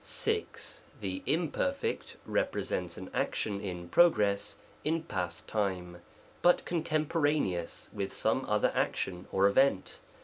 6. The Imperf. represents an action in progress in past time, but contemporaneous with some other action or event.